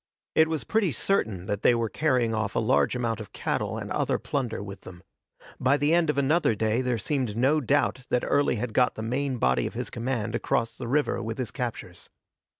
It was pretty certain that they were carrying off a large amount of cattle and other plunder with them. By the end of another day there seemed no doubt that Early had got the main body of his command across the river with his captures.